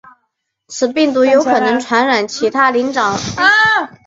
此病毒有可能也能感染其他灵长目人猿总科的动物。